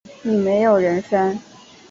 你没有人生